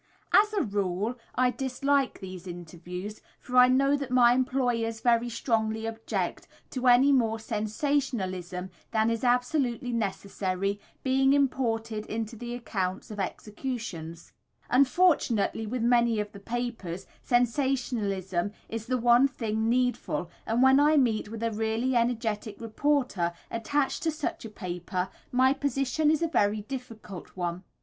As a rule I dislike these interviews, for I know that my employers very strongly object to any more sensationalism than is absolutely necessary being imported into the accounts of executions. Unfortunately, with many of the papers, sensationalism is the one thing needful, and when I meet with a really energetic reporter attached to such a paper my position is a very difficult one.